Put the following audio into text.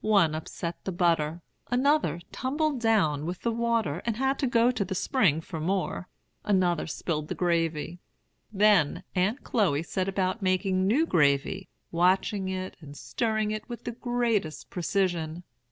One upset the butter; another tumbled down with the water, and had to go to the spring for more; another spilled the gravy; then Aunt Chloe set about making new gravy, watching it and stirring it with the greatest precision.